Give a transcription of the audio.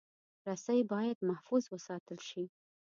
رسۍ باید محفوظ وساتل شي.